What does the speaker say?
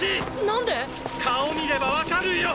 何で⁉顔見ればわかるよ！！